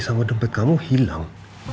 sama dompet kamu hilang